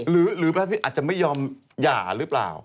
หรือพระพี่อาจจะไม่ยอมหย่าหรือเปล่า